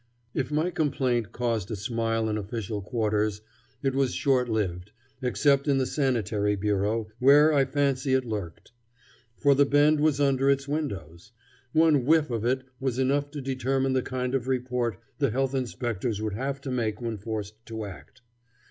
If my complaint caused a smile in official quarters, it was short lived, except in the Sanitary Bureau, where I fancy it lurked. For the Bend was under its windows. One whiff of it was enough to determine the kind of report the health inspectors would have to make when forced to act.